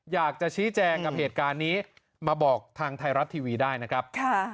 อยากจะชี้แจงกับเหตุการณ์นี้มาบอกทางไทยรัฐทีวีได้นะครับ